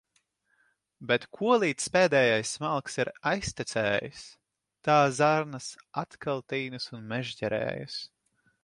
Bet kolīdz pēdējais malks ir aiztecējis, tā zarnas atkal tinas un mežģerējas.